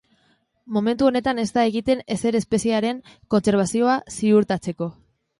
Momentu honetan ez da egiten ezer espeziearen kontserbazioa ziurtatzeko.